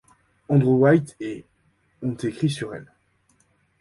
Andrew White et ont écrit sur elle.